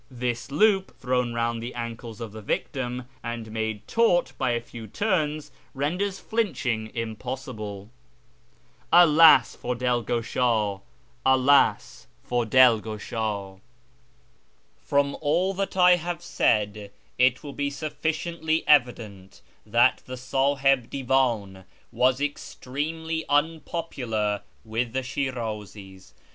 This loop, thrown round the ankles of the victim, and made taut by a few turns, renders flinching impossible. 284 ^' YEAR AMONGST THE PERSIANS From all tliat I have said it will be suflicieiitly evident that the S;ihib Div:iii was extremely unpopular with tlie Shi'razis.